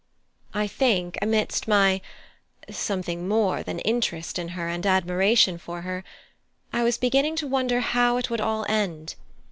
I think amidst my something more than interest in her, and admiration for her, I was beginning to wonder how it would all end.